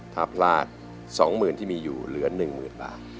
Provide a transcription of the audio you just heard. ถ้าพลาด๒หมื่นที่มีอยู่เหลือ๑หมื่นบาท